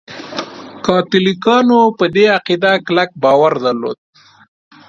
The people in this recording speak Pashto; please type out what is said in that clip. کاتولیکانو په دې عقیده کلک باور درلود.